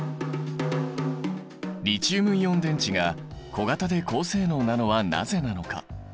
リチウムイオン電池が小型で高性能なのはなぜなのか。